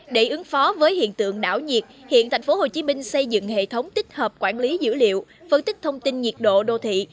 để ứng phó với hiện tượng đảo nhiệt hiện tp hcm xây dựng hệ thống tích hợp quản lý dữ liệu phân tích thông tin nhiệt độ đô thị